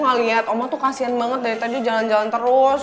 lo gak liat oma tuh kasihan banget dari tadi jalan jalan terus